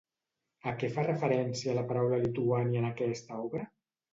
A què fa referència la paraula Lituània en aquesta obra?